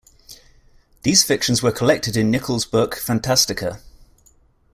These fictions were collected in Nichols' book "Fantastica".